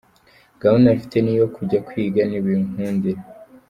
Gahunda mfite ni iyo kujya kwiga nibinkundira.